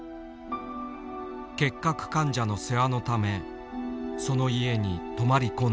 結核患者の世話のためその家に泊まり込んでいた。